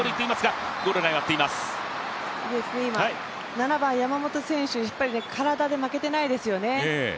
７番、山本選手、体で負けてないですよね。